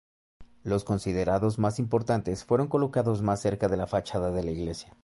Los considerados más importantes fueron colocados más cerca de la fachada de la iglesia.